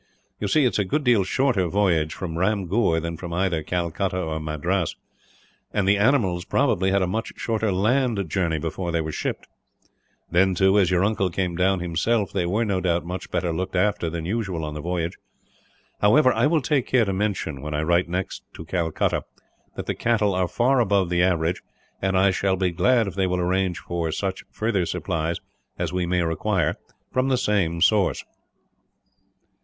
You see, it is a good deal shorter voyage, from Ramgur, than from either Calcutta or Madras; and the animals probably had a much shorter land journey before they were shipped. Then, too, as your uncle came down himself they were, no doubt, much better looked after than usual on the voyage. However, I will take care to mention, when I write next to Calcutta, that the cattle are far above the average; and I shall be glad if they will arrange for such further supplies as we may require from the same source."